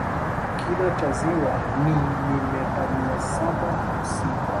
kina cha ziwa ni ni meta mia saba hamsini